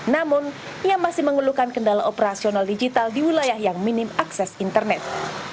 namun ia masih mengeluhkan kendala operasional digital di wilayah yang minim akses internet